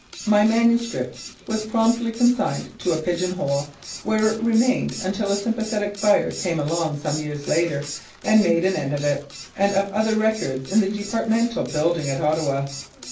My manuscript was promptly consigned to a pigeon hole, where it remained until a sympathetic fire came along some years later and made an end of it and of other records in the departmental building at Ottawa.